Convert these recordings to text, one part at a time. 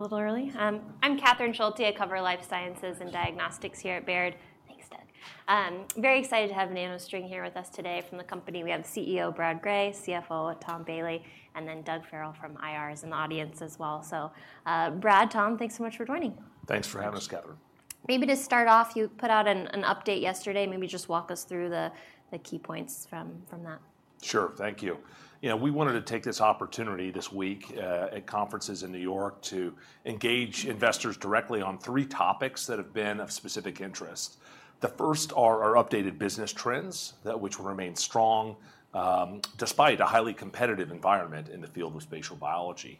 A little early. I'm Catherine Schulte. I cover life sciences and diagnostics here at Baird. Thanks, Doug. Very excited to have NanoString here with us today. From the company, we have CEO Brad Gray, CFO Tom Bailey, and then Doug Farrell from IR is in the audience as well. So, Brad, Tom, thanks so much for joining. Thanks for having us, Catherine. Maybe to start off, you put out an update yesterday. Maybe just walk us through the key points from that. Sure. Thank you. You know, we wanted to take this opportunity this week at conferences in New York to engage investors directly on three topics that have been of specific interest. The first are our updated business trends, that which remain strong, despite a highly competitive environment in the field of spatial biology.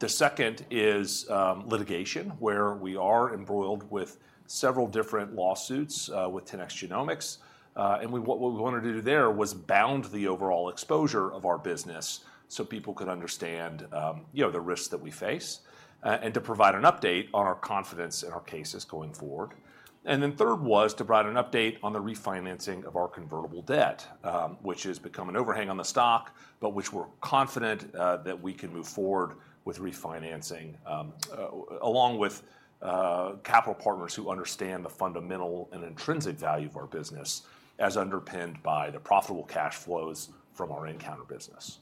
The second is litigation, where we are embroiled with several different lawsuits with 10x Genomics. And what we wanted to do there was bound the overall exposure of our business so people could understand, you know, the risks that we face, and to provide an update on our confidence in our cases going forward. Third was to provide an update on the refinancing of our convertible debt, which has become an overhang on the stock, but which we're confident that we can move forward with refinancing, along with capital partners who understand the fundamental and intrinsic value of our business, as underpinned by the profitable cash flows from our nCounter business.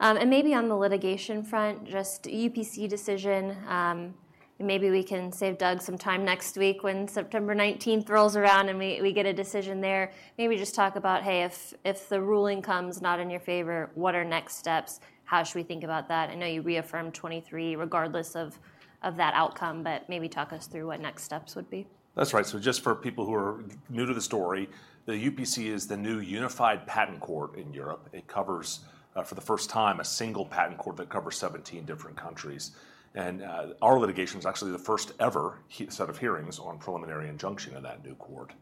And maybe on the litigation front, just UPC decision, and maybe we can save Doug some time next week when September 19 rolls around, and we get a decision there. Maybe just talk about, hey, if the ruling comes not in your favor, what are next steps? How should we think about that? I know you reaffirmed 2023, regardless of that outcome, but maybe talk us through what next steps would be. That's right. So just for people who are new to the story, the UPC is the new Unified Patent Court in Europe. It covers, for the first time, a single patent court that covers 17 different countries. Our litigation was actually the first ever set of hearings on preliminary injunction in that new court.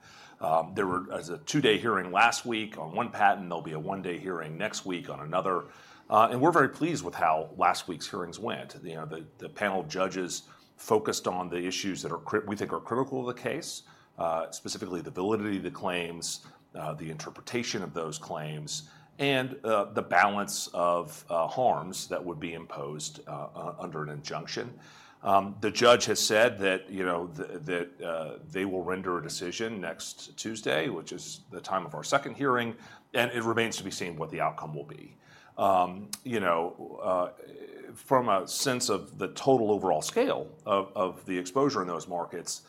There was a 2-day hearing last week on one patent, there'll be a one-day hearing next week on another. We're very pleased with how last week's hearings went. You know, the panel of judges focused on the issues that are critical—we think are critical to the case, specifically the validity of the claims, the interpretation of those claims, and the balance of harms that would be imposed under an injunction. The judge has said that, you know, they will render a decision next Tuesday, which is the time of our second hearing, and it remains to be seen what the outcome will be. You know, from a sense of the total overall scale of the exposure in those markets,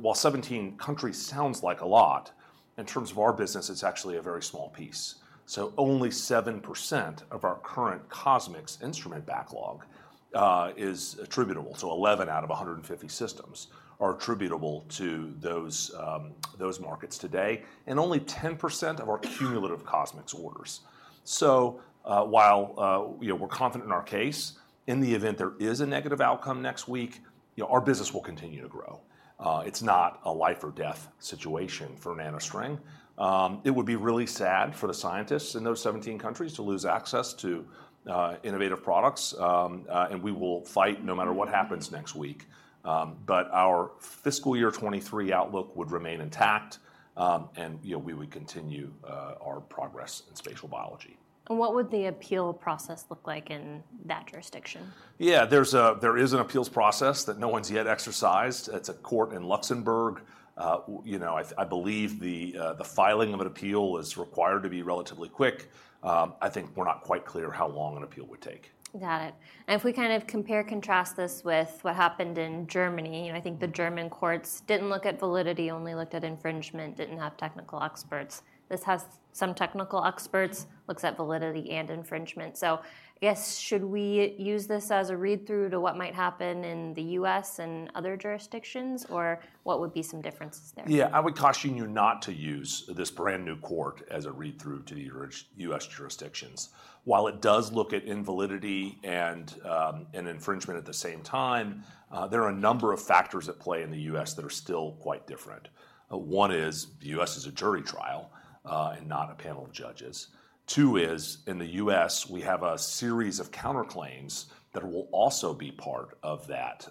while 17 countries sounds like a lot, in terms of our business, it's actually a very small piece. So only 7% of our current CosMx instrument backlog is attributable, so 11 out of 150 systems are attributable to those markets today, and only 10% of our cumulative CosMx orders. So, while, you know, we're confident in our case, in the event there is a negative outcome next week, you know, our business will continue to grow. It's not a life or death situation for NanoString. It would be really sad for the scientists in those 17 countries to lose access to innovative products, and we will fight no matter what happens next week. But our fiscal year 2023 outlook would remain intact, and, you know, we would continue our progress in spatial biology. What would the appeal process look like in that jurisdiction? Yeah, there is an appeals process that no one's yet exercised. It's a court in Luxembourg. You know, I believe the filing of an appeal is required to be relatively quick. I think we're not quite clear how long an appeal would take. Got it. And if we kind of compare and contrast this with what happened in Germany, and I think the German courts didn't look at validity, only looked at infringement, didn't have technical experts. This has some technical experts, looks at validity and infringement. So I guess, should we use this as a read-through to what might happen in the U.S. and other jurisdictions, or what would be some differences there? Yeah. I would caution you not to use this brand-new court as a read-through to the U.S. jurisdictions. While it does look at invalidity and infringement at the same time, there are a number of factors at play in the U.S. that are still quite different. One is the U.S. is a jury trial and not a panel of judges. Two is, in the U.S., we have a series of counterclaims that will also be part of that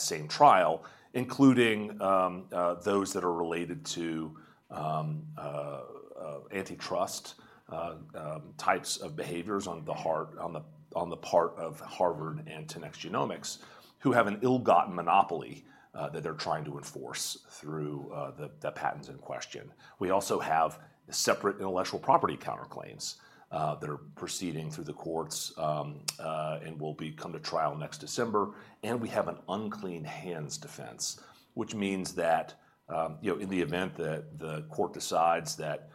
same trial, including those that are related to antitrust types of behaviors on the part of Harvard and 10x Genomics, who have an ill-gotten monopoly that they're trying to enforce through the patents in question. We also have separate intellectual property counterclaims that are proceeding through the courts and will come to trial next December. And we have an unclean hands defense, which means that, you know, in the event that the court decides that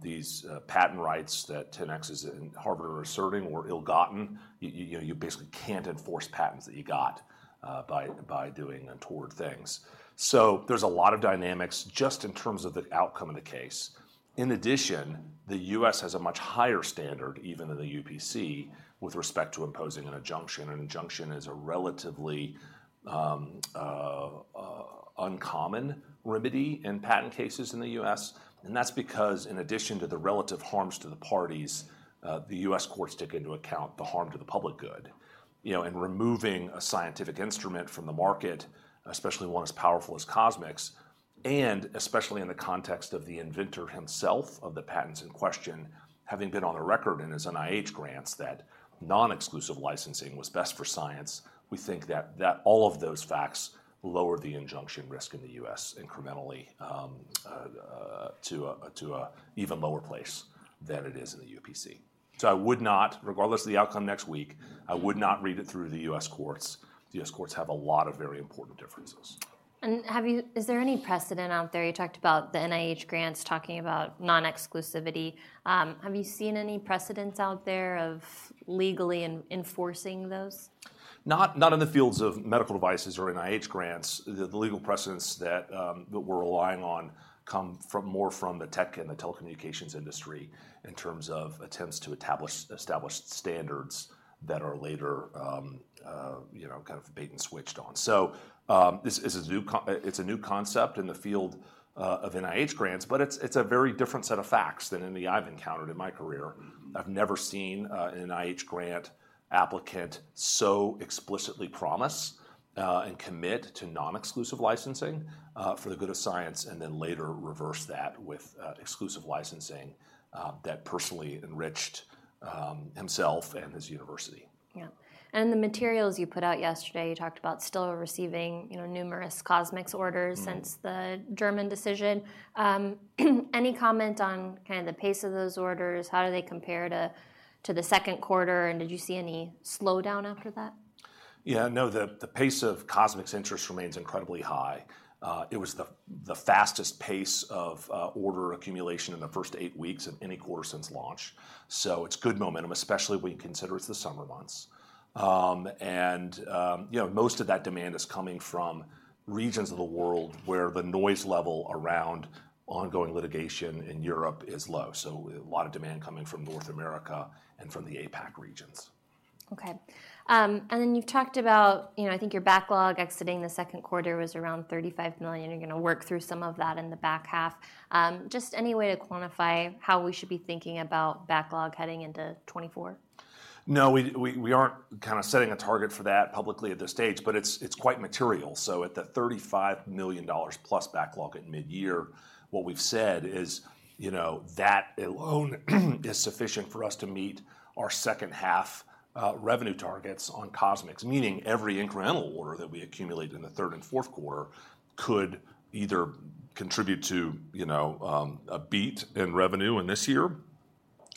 these patent rights that 10x's and Harvard are asserting were ill-gotten, you know, you basically can't enforce patents that you got by doing untoward things. So there's a lot of dynamics just in terms of the outcome of the case. In addition, the U.S. has a much higher standard, even than the UPC, with respect to imposing an injunction. An injunction is a relatively uncommon remedy in patent cases in the U.S., and that's because in addition to the relative harms to the parties, the U.S. courts take into account the harm to the public good. You know, and removing a scientific instrument from the market, especially one as powerful as CosMx... and especially in the context of the inventor himself, of the patents in question, having been on the record in his NIH grants that non-exclusive licensing was best for science, we think that all of those facts lower the injunction risk in the U.S. incrementally to a even lower place than it is in the UPC. So I would not, regardless of the outcome next week, I would not read it through the U.S. courts. The U.S. courts have a lot of very important differences. Is there any precedent out there? You talked about the NIH grants talking about non-exclusivity. Have you seen any precedents out there of legally enforcing those? Not in the fields of medical devices or NIH grants. The legal precedents that we're relying on come from more from the tech and the telecommunications industry in terms of attempts to establish standards that are later, you know, kind of bait and switched on. So, this is a new concept in the field of NIH grants, but it's a very different set of facts than any I've encountered in my career. I've never seen an NIH grant applicant so explicitly promise and commit to non-exclusive licensing for the good of science, and then later reverse that with exclusive licensing that personally enriched himself and his university. Yeah. The materials you put out yesterday, you talked about still receiving, you know, numerous CosMx orders- Mm. - since the German decision. Any comment on kind of the pace of those orders? How do they compare to the Q2, and did you see any slowdown after that? Yeah, no, the pace of CosMx interest remains incredibly high. It was the fastest pace of order accumulation in the first eight weeks of any quarter since launch. So it's good momentum, especially when you consider it's the summer months. And you know, most of that demand is coming from regions of the world where the noise level around ongoing litigation in Europe is low. So a lot of demand coming from North America and from the APAC regions. Okay. And then you've talked about, you know, I think your backlog exiting the Q2 was around $35 million. You're gonna work through some of that in the back half. Just any way to quantify how we should be thinking about backlog heading into 2024? No, we aren't kind of setting a target for that publicly at this stage, but it's quite material. So at the $35 million plus backlog at midyear, what we've said is, you know, that alone is sufficient for us to meet our second half revenue targets on CosMx, meaning every incremental order that we accumulate in the third and Q4 could either contribute to, you know, a beat in revenue in this year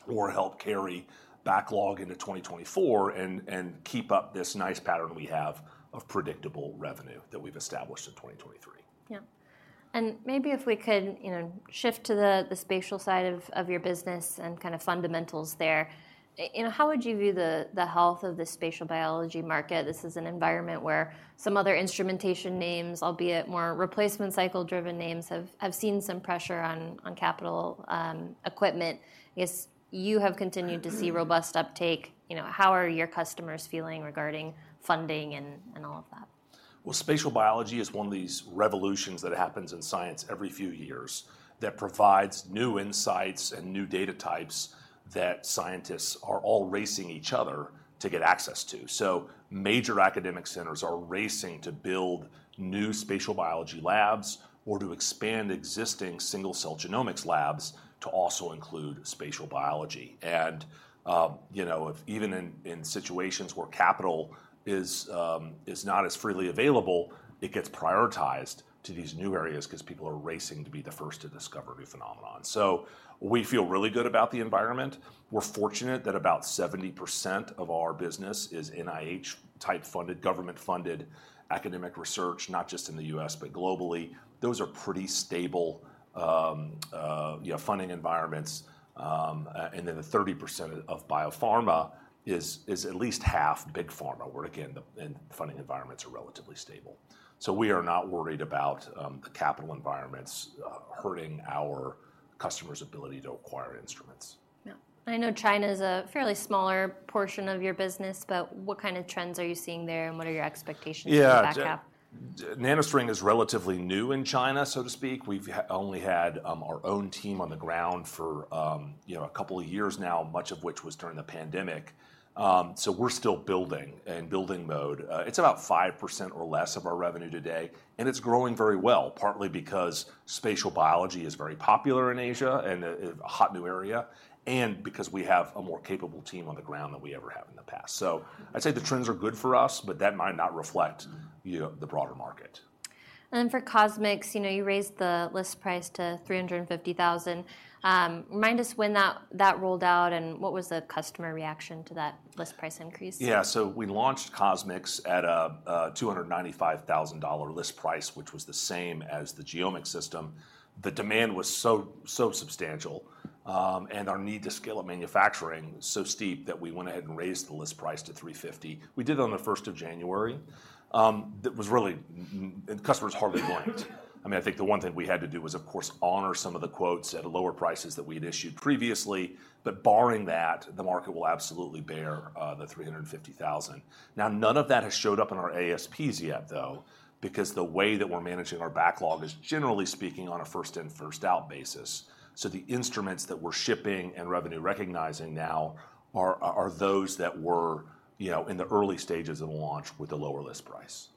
or help carry backlog into 2024 and keep up this nice pattern we have of predictable revenue that we've established in 2023. Yeah. Maybe if we could, you know, shift to the spatial side of your business and kind of fundamentals there. You know, how would you view the health of the Spatial Biology market? This is an environment where some other instrumentation names, albeit more replacement cycle-driven names, have seen some pressure on capital equipment. I guess, you have continued to see robust uptake. You know, how are your customers feeling regarding funding and all of that? Well, spatial biology is one of these revolutions that happens in science every few years, that provides new insights and new data types that scientists are all racing each other to get access to. So major academic centers are racing to build new spatial biology labs or to expand existing single-cell genomics labs to also include spatial biology. And, you know, if even in, in situations where capital is, is not as freely available, it gets prioritized to these new areas 'cause people are racing to be the first to discover a new phenomenon. So we feel really good about the environment. We're fortunate that about 70% of our business is NIH-type funded, government-funded academic research, not just in the U.S., but globally. Those are pretty stable, you know, funding environments. And then the 30% of biopharma is at least half big pharma, where again, the funding environments are relatively stable. So we are not worried about the capital environments hurting our customers' ability to acquire instruments. Yeah. I know China's a fairly smaller portion of your business, but what kind of trends are you seeing there, and what are your expectations for the back half? Yeah, NanoString is relatively new in China, so to speak. We've only had our own team on the ground for, you know, a couple of years now, much of which was during the pandemic. So we're still building, in building mode. It's about 5% or less of our revenue today, and it's growing very well, partly because spatial biology is very popular in Asia and a hot new area, and because we have a more capable team on the ground than we ever have in the past. So I'd say the trends are good for us, but that might not reflect, you know, the broader market. And then for CosMx, you know, you raised the list price to $350,000. Remind us when that rolled out, and what was the customer reaction to that list price increase? Yeah, so we launched CosMx at a $295,000 list price, which was the same as the GeoMx system. The demand was so substantial, and our need to scale up manufacturing was so steep that we went ahead and raised the list price to $350,000. We did it on the first of January. That was really and customers hardly blinked. I mean, I think the one thing we had to do was, of course, honor some of the quotes at lower prices that we had issued previously, but barring that, the market will absolutely bear the $350,000. Now, none of that has showed up in our ASPs yet, though, because the way that we're managing our backlog is, generally speaking, on a first in, first out basis. The instruments that we're shipping and revenue recognizing now are those that were, you know, in the early stages of the launch with a lower list price. ...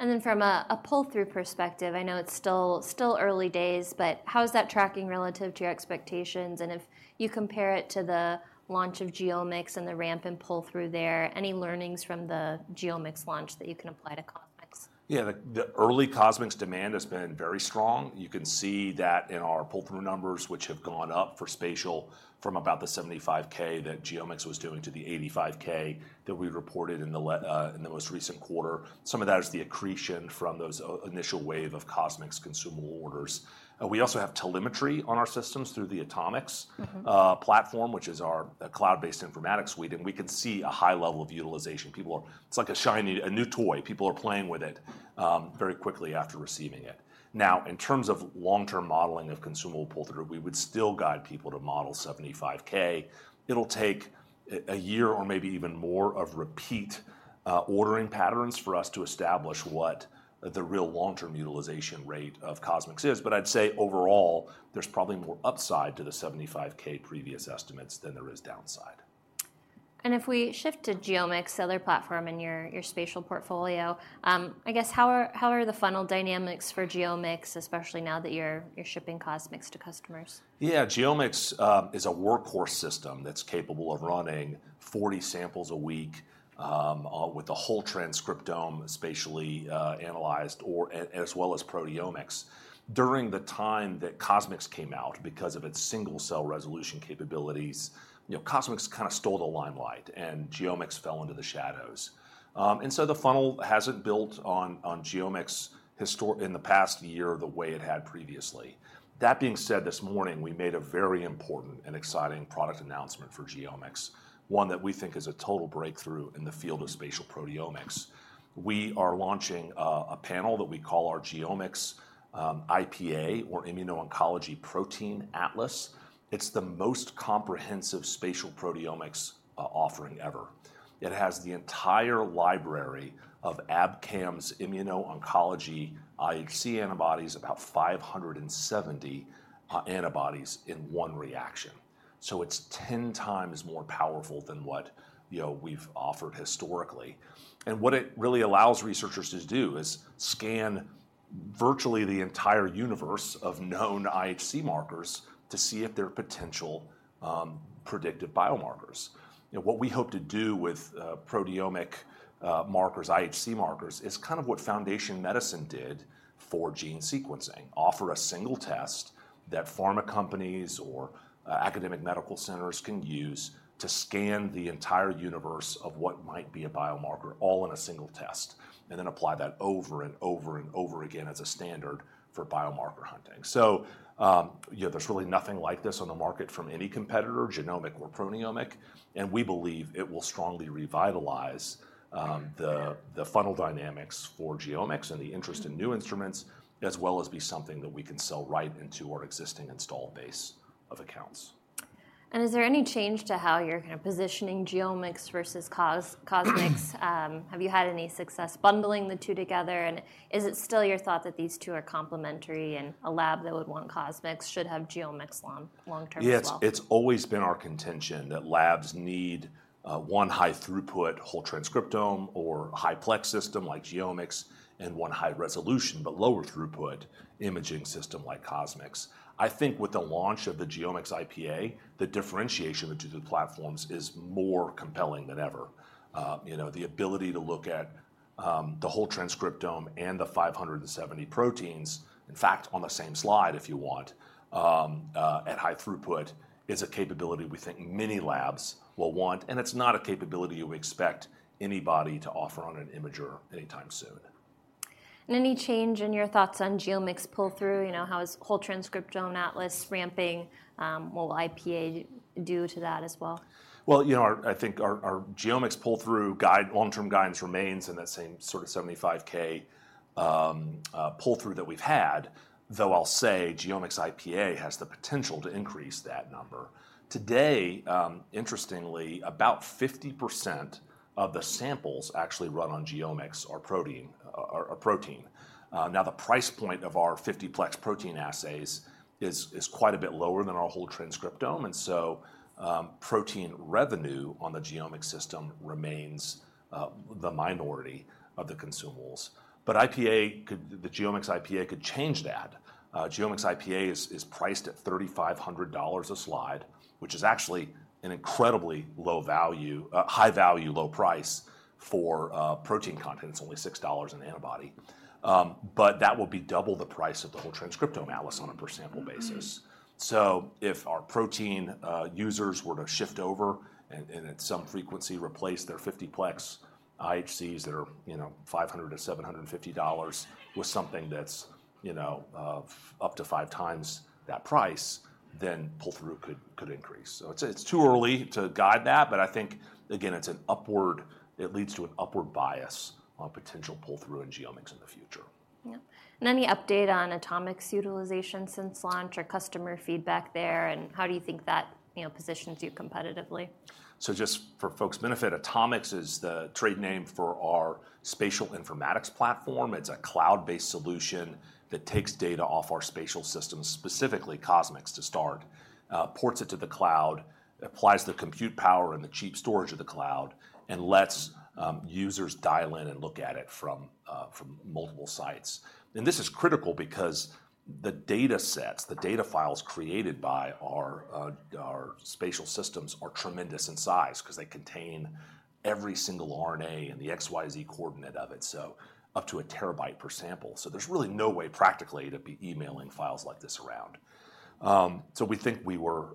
And then from a pull-through perspective, I know it's still early days, but how is that tracking relative to your expectations? And if you compare it to the launch of GeoMx and the ramp and pull-through there, any learnings from the GeoMx launch that you can apply to CosMx? Yeah, the early CosMx demand has been very strong. You can see that in our pull-through numbers, which have gone up for spatial from about the $75K that GeoMx was doing to the $85K that we reported in the last, in the most recent quarter. Some of that is the accretion from those initial wave of CosMx consumable orders. We also have telemetry on our systems through the AtoMx- Mm-hmm... platform, which is our cloud-based informatics suite, and we can see a high level of utilization. People are—It's like a shiny new toy. People are playing with it very quickly after receiving it. Now, in terms of long-term modeling of consumable pull-through, we would still guide people to model $75K. It'll take a year or maybe even more of repeat ordering patterns for us to establish what the real long-term utilization rate of CosMx is. But I'd say overall, there's probably more upside to the $75K previous estimates than there is downside. If we shift to GeoMx, other platform in your spatial portfolio, I guess, how are the funnel dynamics for GeoMx, especially now that you're shipping CosMx to customers? Yeah, GeoMx is a workhorse system that's capable of running 40 samples a week with the whole transcriptome spatially analyzed or as well as proteomics. During the time that CosMx came out, because of its single-cell resolution capabilities, you know, CosMx kinda stole the limelight, and GeoMx fell into the shadows. And so the funnel hasn't built on GeoMx in the past year, the way it had previously. That being said, this morning, we made a very important and exciting product announcement for GeoMx, one that we think is a total breakthrough in the field of spatial proteomics. We are launching a panel that we call our GeoMx IPA or Immuno-Oncology Protein Atlas. It's the most comprehensive spatial proteomics offering ever. It has the entire library of Abcam's immuno-oncology IHC antibodies, about 570 antibodies in one reaction. So it's 10 times more powerful than what, you know, we've offered historically. And what it really allows researchers to do is scan virtually the entire universe of known IHC markers to see if there are potential predictive biomarkers. You know, what we hope to do with proteomic markers, IHC markers, is kind of what Foundation Medicine did for gene sequencing: offer a single test that pharma companies or academic medical centers can use to scan the entire universe of what might be a biomarker all in a single test, and then apply that over and over and over again as a standard for biomarker hunting. So, yeah, there's really nothing like this on the market from any competitor, genomic or proteomic, and we believe it will strongly revitalize the funnel dynamics for GeoMx and the interest in new instruments, as well as be something that we can sell right into our existing installed base of accounts. Is there any change to how you're kind of positioning GeoMx versus CosMx? Have you had any success bundling the two together, and is it still your thought that these two are complementary and a lab that would want CosMx should have GeoMx long term as well? Yeah, it's, it's always been our contention that labs need one high-throughput, whole transcriptome or high-plex system like GeoMx, and one high-resolution but lower throughput imaging system like CosMx. I think with the launch of the GeoMx IPA, the differentiation between the platforms is more compelling than ever. You know, the ability to look at the whole transcriptome and the 570 proteins, in fact, on the same slide, if you want, at high throughput, is a capability we think many labs will want, and it's not a capability we expect anybody to offer on an imager anytime soon. Any change in your thoughts on GeoMx pull-through? You know, how is Whole Transcriptome Atlas ramping? Will IPA do to that as well? Well, you know, our I think our GeoMx pull-through guide, long-term guidance remains in that same sort of $75K pull-through that we've had, though I'll say GeoMx IPA has the potential to increase that number. Today, interestingly, about 50% of the samples actually run on GeoMx are protein. Now, the price point of our 50-plex protein assays is quite a bit lower than our whole transcriptome, and so, protein revenue on the GeoMx system remains the minority of the consumables. But IPA could. The GeoMx IPA could change that. GeoMx IPA is priced at $3,500 a slide, which is actually an incredibly low value, high value, low price for protein content. It's only $6 an antibody. But that will be double the price of the Whole Transcriptome Atlas on a per-sample basis. Mm-hmm. So if our protein users were to shift over and at some frequency replace their 50-plex IHCs that are, you know, $500-$750 with something that's, you know, up to five times that price, then pull-through could increase. So it's too early to guide that, but I think, again, it's an upward... It leads to an upward bias on potential pull-through in GeoMx in the future. Yeah. And any update on AtoMx utilization since launch or customer feedback there, and how do you think that, you know, positions you competitively? So just for folks' benefit, AtoMx is the trade name for our spatial informatics platform. It's a cloud-based solution that takes data off our spatial systems, specifically CosMx to start, ports it to the cloud, applies the compute power and the cheap storage of the cloud, and lets users dial in and look at it from multiple sites. And this is critical because the data sets, the data files created by our spatial systems are tremendous in size, 'cause they contain every single RNA and the XYZ coordinate of it, so up to a terabyte per sample. So there's really no way, practically, to be emailing files like this around. So we think we were,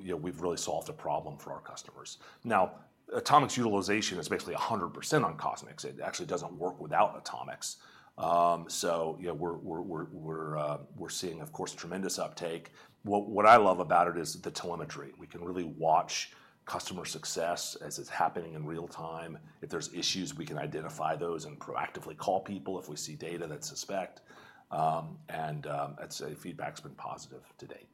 you know, we've really solved a problem for our customers. Now, AtoMx utilization is basically 100% on CosMx. It actually doesn't work without AtoMx. So, you know, we're seeing, of course, tremendous uptake. What I love about it is the telemetry. We can really watch customer success as it's happening in real time. If there's issues, we can identify those and proactively call people if we see data that's suspect. I'd say feedback's been positive to date.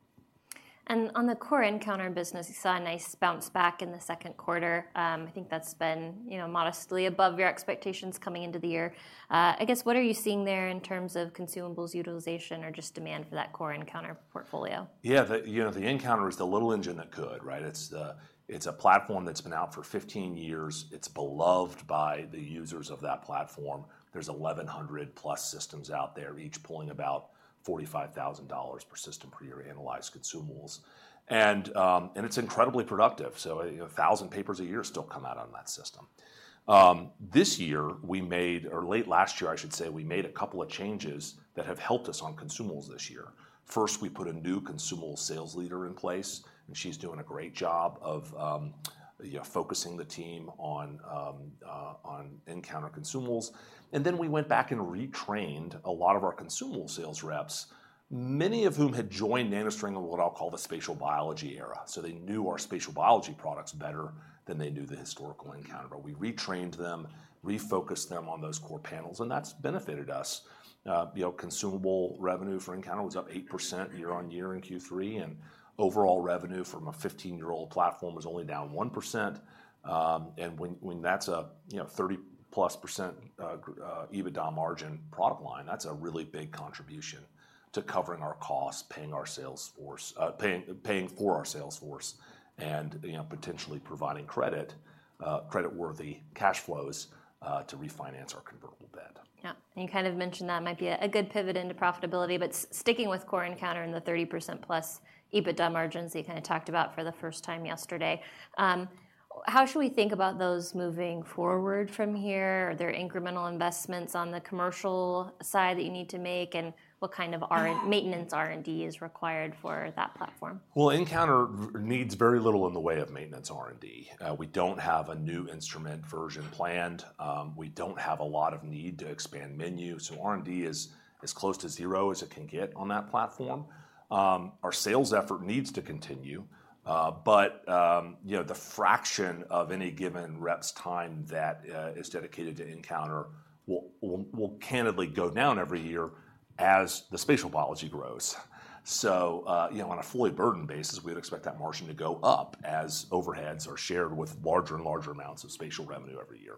On the core nCounter business, you saw a nice bounce back in the Q2. I think that's been, you know, modestly above your expectations coming into the year. I guess, what are you seeing there in terms of consumables utilization or just demand for that core nCounter portfolio? Yeah, you know, the nCounter is the little engine that could, right? It's the—it's a platform that's been out for 15 years. It's beloved by the users of that platform. There are 1,100+ systems out there, each pulling about $45,000 per system per year in annual consumables. And it's incredibly productive, so 1,000 papers a year still come out on that system. This year, we made... or late last year, I should say, we made a couple of changes that have helped us on consumables this year. First, we put a new consumable sales leader in place, and she's doing a great job of focusing the team on nCounter consumables. Then we went back and retrained a lot of our consumable sales reps, many of whom had joined NanoString in what I'll call the spatial biology era. So they knew our spatial biology products better than they knew the historical nCounter. But we retrained them, refocused them on those core panels, and that's benefited us. You know, consumable revenue for nCounter was up 8% year-on-year in Q3, and overall revenue from a 15-year-old platform was only down 1%. And when that's a, you know, 30%+ EBITDA margin product line, that's a really big contribution to covering our costs, paying our sales force, paying for our sales force, and, you know, potentially providing credit-worthy cash flows to refinance our convertible debt. Yeah. You kind of mentioned that might be a good pivot into profitability, but sticking with core nCounter and the 30%+ EBITDA margins that you kind of talked about for the first time yesterday, how should we think about those moving forward from here? Are there incremental investments on the commercial side that you need to make, and what kind of maintenance R&D is required for that platform? Well, nCounter needs very little in the way of maintenance R&D. We don't have a new instrument version planned. We don't have a lot of need to expand menu, so R&D is as close to zero as it can get on that platform. Our sales effort needs to continue, but you know, the fraction of any given rep's time that is dedicated to nCounter will candidly go down every year as the spatial biology grows. So, you know, on a fully burden basis, we'd expect that margin to go up as overheads are shared with larger and larger amounts of spatial revenue every year.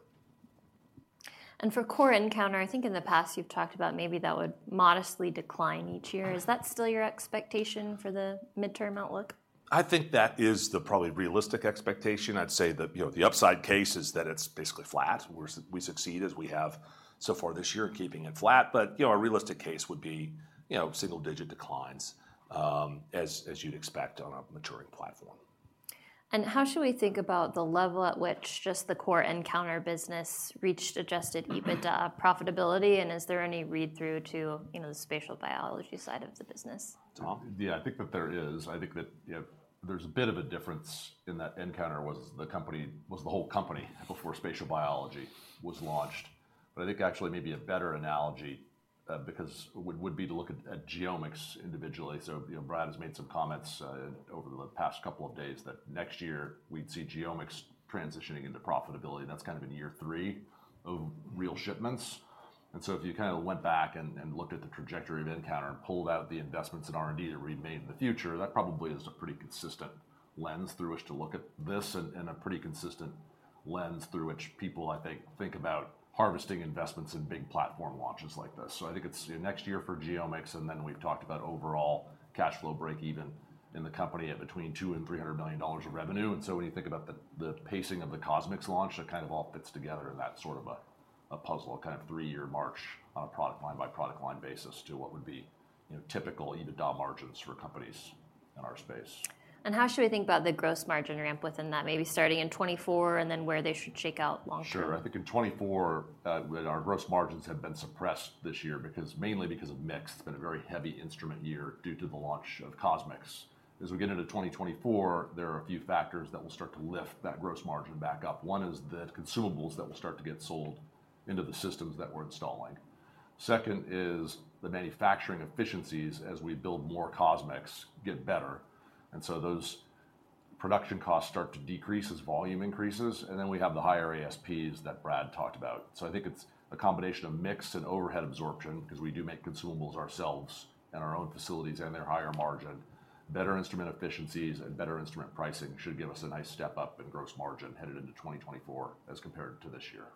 For core encounter, I think in the past you've talked about maybe that would modestly decline each year. Is that still your expectation for the midterm outlook? I think that is the probably realistic expectation. I'd say that, you know, the upside case is that it's basically flat, where we succeed as we have so far this year in keeping it flat. But, you know, a realistic case would be, you know, single-digit declines, as you'd expect on a maturing platform. How should we think about the level at which just the core nCounter business reached adjusted EBITDA profitability? And is there any read-through to, you know, the spatial biology side of the business? Tom? Yeah, I think that there is. I think that, yeah, there's a bit of a difference in that nCounter was the company... was the whole company before spatial biology was launched. But I think actually maybe a better analogy, because, would be to look at GeoMx individually. So, you know, Brad has made some comments over the past couple of days that next year we'd see GeoMx transitioning into profitability. That's kind of in year three of real shipments. And so if you kind of went back and looked at the trajectory of nCounter and pulled out the investments in R&D that remained in the future, that probably is a pretty consistent lens through which to look at this and a pretty consistent lens through which people, I think, think about harvesting investments in big platform launches like this. So I think it's next year for GeoMx, and then we've talked about overall cash flow break even in the company at between $200 million and $300 million of revenue. And so when you think about the pacing of the CosMx launch, it kind of all fits together in that sort of a puzzle, a kind of 3-year march on a product line by product line basis to what would be, you know, typical EBITDA margins for companies in our space. How should we think about the gross margin ramp within that, maybe starting in 2024, and then where they should shake out long-term? Sure. I think in 2024, our gross margins have been suppressed this year because, mainly because of mix. It's been a very heavy instrument year due to the launch of CosMx. As we get into 2024, there are a few factors that will start to lift that gross margin back up. One is the consumables that will start to get sold into the systems that we're installing. Second is the manufacturing efficiencies as we build more CosMx get better, and so those-... production costs start to decrease as volume increases, and then we have the higher ASPs that Brad talked about. So I think it's a combination of mix and overhead absorption, 'cause we do make consumables ourselves in our own facilities, and they're higher margin. Better instrument efficiencies and better instrument pricing should give us a nice step-up in gross margin headed into 2024 as compared to this year.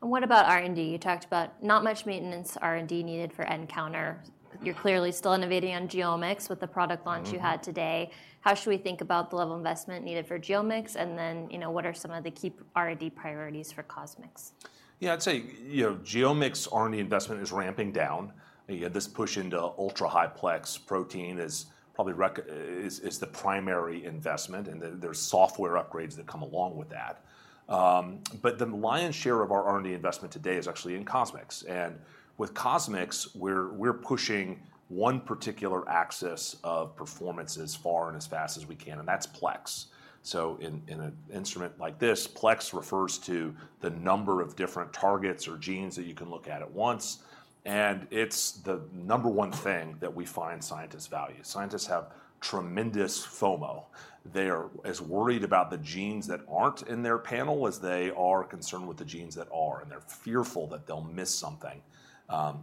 What about R&D? You talked about not much maintenance R&D needed for nCounter. You're clearly still innovating on GeoMx with the product launch- Mm-hmm. you had today. How should we think about the level of investment needed for GeoMx, and then, you know, what are some of the key R&D priorities for CosMx? Yeah, I'd say, you know, GeoMx R&D investment is ramping down. You know, this push into ultra-high plex protein is probably the primary investment, and then there's software upgrades that come along with that. But the lion's share of our R&D investment today is actually in CosMx, and with CosMx, we're pushing one particular axis of performance as far and as fast as we can, and that's plex. So in an instrument like this, plex refers to the number of different targets or genes that you can look at at once, and it's the number one thing that we find scientists value. Scientists have tremendous FOMO. They're as worried about the genes that aren't in their panel as they are concerned with the genes that are, and they're fearful that they'll miss something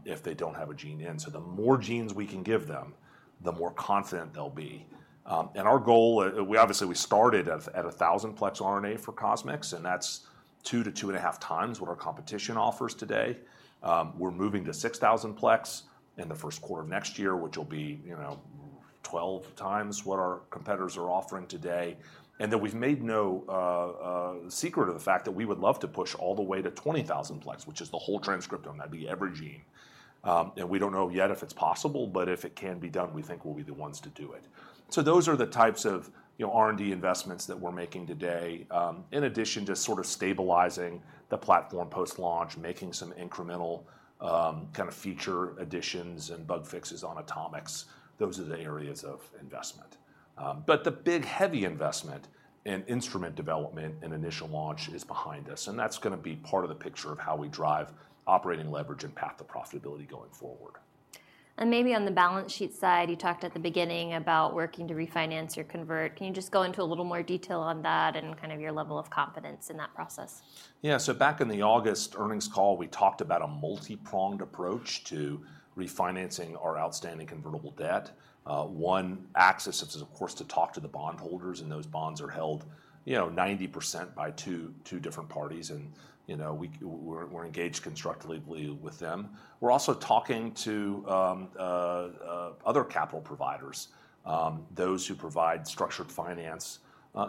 if they don't have a gene in. So the more genes we can give them, the more confident they'll be. And our goal, we obviously we started at, at 1,000-plex RNA for CosMx, and that's 2 to 2.5 times what our competition offers today. We're moving to 6,000-plex in the Q1 of next year, which will be, you know, 12 times what our competitors are offering today. And that we've made no secret of the fact that we would love to push all the way to 20,000-plex, which is the whole transcriptome. That'd be every gene. And we don't know yet if it's possible, but if it can be done, we think we'll be the ones to do it. So those are the types of, you know, R&D investments that we're making today. In addition to sort of stabilizing the platform post-launch, making some incremental, kind of feature additions and bug fixes on AtoMx, those are the areas of investment. But the big, heavy investment in instrument development and initial launch is behind us, and that's gonna be part of the picture of how we drive operating leverage and path to profitability going forward. Maybe on the balance sheet side, you talked at the beginning about working to refinance your convert. Can you just go into a little more detail on that and kind of your level of confidence in that process? Yeah. So back in the August earnings call, we talked about a multi-pronged approach to refinancing our outstanding convertible debt. One axis is, of course, to talk to the bondholders, and those bonds are held, you know, 90% by two different parties. And, you know, we're engaged constructively with them. We're also talking to other capital providers, those who provide structured finance,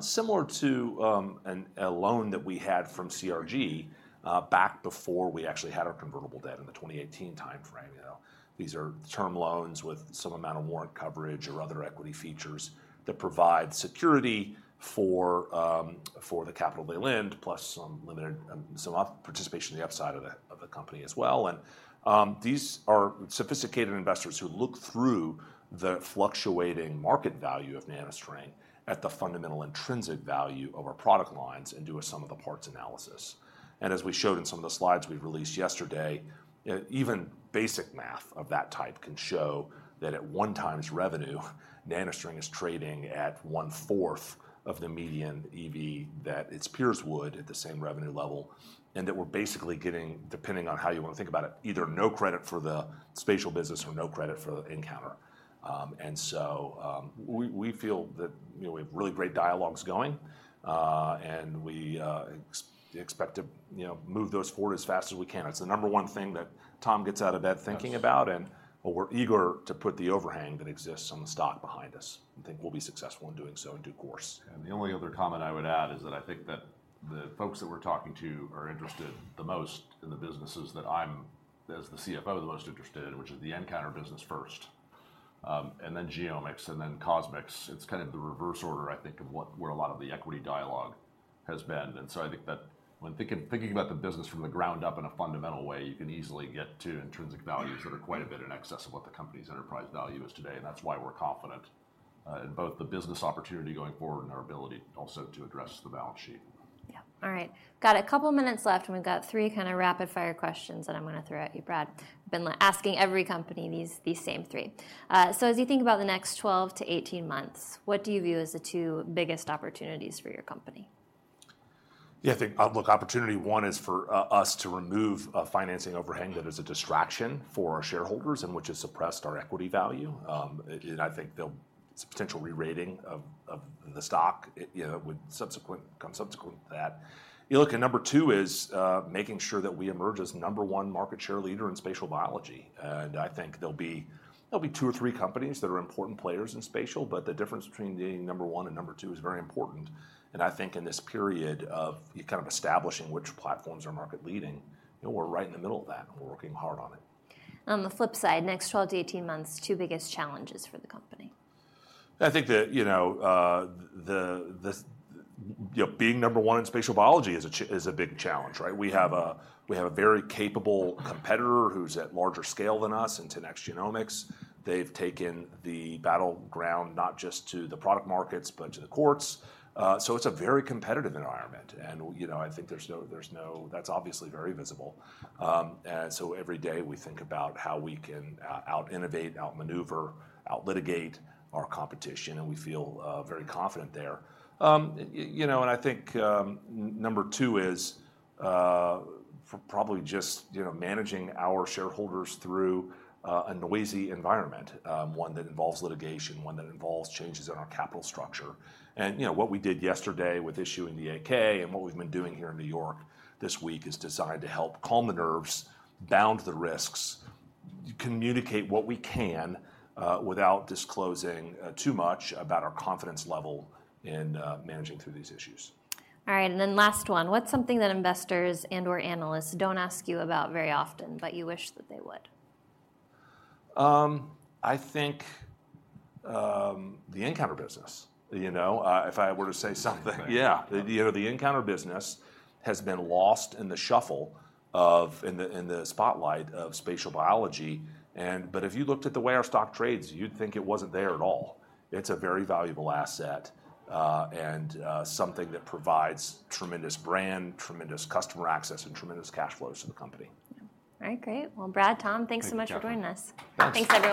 similar to a loan that we had from CRG, back before we actually had our convertible debt in the 2018 timeframe. You know, these are term loans with some amount of warrant coverage or other equity features that provide security for the capital they lend, plus some limited participation on the upside of the company as well. These are sophisticated investors who look through the fluctuating market value of NanoString at the fundamental intrinsic value of our product lines and do a sum-of-the-parts analysis. As we showed in some of the slides we released yesterday, even basic math of that type can show that at 1x revenue, NanoString is trading at one-fourth of the median EV that its peers would at the same revenue level, and that we're basically getting, depending on how you want to think about it, either no credit for the spatial business or no credit for nCounter. And so, we feel that, you know, we have really great dialogues going, and we expect to, you know, move those forward as fast as we can. It's the number one thing that Tom gets out of bed thinking about- Yes. And, well, we're eager to put the overhang that exists on the stock behind us and think we'll be successful in doing so in due course. The only other comment I would add is that I think that the folks that we're talking to are interested the most in the businesses that I'm, as the CFO, the most interested in, which is the nCounter business first, and then GeoMx, and then CosMx. It's kind of the reverse order, I think, of where a lot of the equity dialogue has been. So I think that when thinking about the business from the ground up in a fundamental way, you can easily get to intrinsic values that are quite a bit in excess of what the company's enterprise value is today, and that's why we're confident in both the business opportunity going forward and our ability also to address the balance sheet. Yeah. All right. Got a couple of minutes left, and we've got three kind of rapid-fire questions that I'm gonna throw at you, Brad. Been asking every company these same three. So as you think about the next 12-18 months, what do you view as the two biggest opportunities for your company? Yeah, I think, outlook, opportunity one is for us to remove a financing overhang that is a distraction for our shareholders and which has suppressed our equity value. And I think there'll... potential re-rating of, of the stock, you know, would subsequent, come subsequent to that. Look, and number two is making sure that we emerge as number one market share leader in spatial biology. And I think there'll be, there'll be two or three companies that are important players in spatial, but the difference between being number one and number two is very important, and I think in this period of kind of establishing which platforms are market leading, you know, we're right in the middle of that, and we're working hard on it. On the flip side, next 12-18 months, two biggest challenges for the company. I think that, you know, the, you know, being number one in spatial biology is a big challenge, right? We have a very capable competitor who's at larger scale than us, in 10x Genomics. They've taken the battleground not just to the product markets, but to the courts. So it's a very competitive environment, and, you know, I think there's no, there's no-- that's obviously very visible. You know, and I think, number two is, probably just, you know, managing our shareholders through, a noisy environment, one that involves litigation, one that involves changes in our capital structure. You know, what we did yesterday with issuing the 8-K and what we've been doing here in New York this week is designed to help calm the nerves, bound the risks, communicate what we can, without disclosing, too much about our confidence level in, managing through these issues. All right, and then last one: What's something that investors and/or analysts don't ask you about very often, but you wish that they would? I think the nCounter business. You know, if I were to say something- Yeah. Yeah. You know, the nCounter business has been lost in the shuffle of... in the spotlight of spatial biology, but if you looked at the way our stock trades, you'd think it wasn't there at all. It's a very valuable asset, and something that provides tremendous brand, tremendous customer access, and tremendous cash flows to the company. Yeah. All right. Great. Well, Brad, Tom, thanks so much for joining us. Thank you. Thanks, everyone.